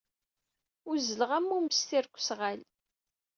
Uzzleɣ am umestir deg usɣal.